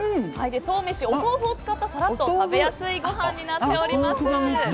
とうめし、お豆腐を使ったさらっと食べやすいご飯になっております。